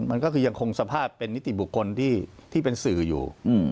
มันก็คือยังคงสภาพเป็นนิติบุคคลที่เป็นสื่ออยู่